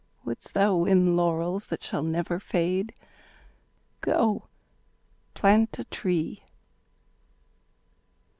Wouldst thou win laurels that shall never fade? Go plant a tree.